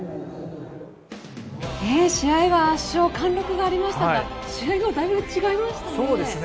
試合は圧勝貫禄がありましたが試合中とはだいぶ違いましたね。